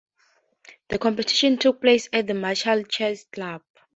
The competition took place at the Marshall Chess Club.